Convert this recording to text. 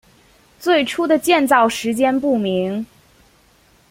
最初的建造时间不明。